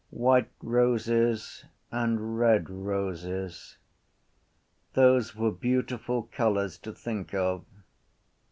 White roses and red roses: those were beautiful colours to think of.